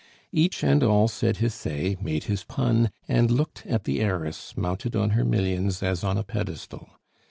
Each and all said his say, made his pun, and looked at the heiress mounted on her millions as on a pedestal.